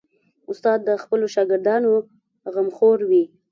استاد د خپلو شاګردانو غمخور وي.